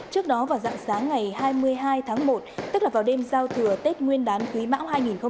trước đó vào dạng sáng ngày hai mươi hai tháng một tức là vào đêm giao thừa tết nguyên đán quý mão hai nghìn hai mươi